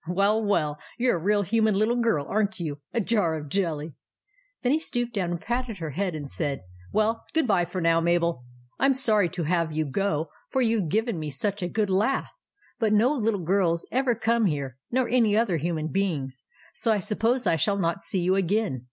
" Well, well, you 're a real human little girl, aren't you! A jar of jelly!" Then he stooped down and patted her head and said :— "Well, good bye, now, Mabel. I 'm sorry to have you go, for you Ve given me such * THE BROWNIE JELLY 201 a good laugh ; but no little girls ever come here, nor any other human beings ; so I sup pose I shall not see you again.